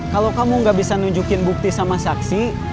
kalau kamu gak bisa nunjukin bukti sama saksi